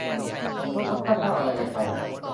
ลดค่าเช่า อะไรกันไป